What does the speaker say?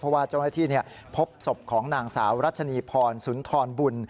เพราะว่าเจ้าหน้าที่พบศพของนางสาวรัชนีพรสุนทรบุญ